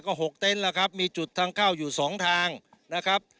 ก็๖เต็นต์แล้วครับมีจุดทางเข้าอยู่สองทางนะครับ